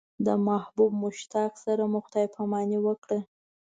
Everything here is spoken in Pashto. د محبوب مشتاق سره مو خدای پاماني وکړه.